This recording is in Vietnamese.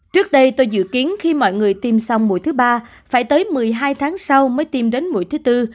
trước đây tôi dự kiến khi mọi người tiêm xong mũi thứ ba phải tới một mươi hai tháng sau mới tiêm đến mũi thứ tư